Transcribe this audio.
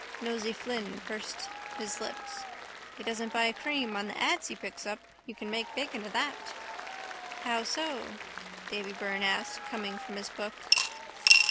Nosey Flynn pursed his lips. —He doesn't buy cream on the ads he picks up. You can make bacon of that. —How so? Davy Byrne asked, coming from his book.